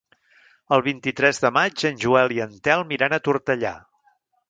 El vint-i-tres de maig en Joel i en Telm iran a Tortellà.